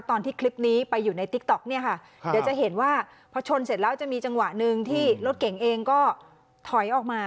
ตอนที่คลิปนี้ไปอยู่ในติ๊กต๊อกเนี่ยค่ะเดี๋ยวจะเห็นว่าพอชนเสร็จแล้วจะมีจังหวะหนึ่งที่รถเก่งเองก็ถอยออกมา